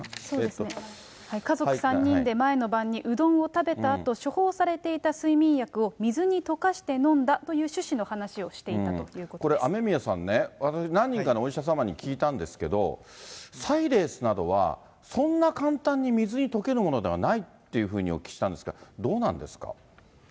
家族３人で前の晩にうどんを食べたあと、処方されていた睡眠薬を水に溶かして飲んだという趣旨の話をしてこれ、雨宮さんね、私、何人かのお医者様に聞いたんですけど、サイレースなどはそんな簡単に水に溶けるものではないっていうふうにお聞きしたんですが、どうなんですか？